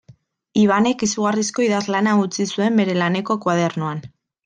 Ibanek izugarrizko idazlana utzi zuen bere laneko koadernoan.